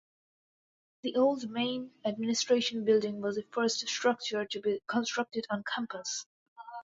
The "Old Main" Administration Building was the first structure to be constructed on campus.